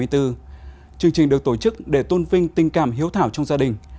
điều này được tổ chức để tôn vinh tình cảm hiếu thảo trong gia đình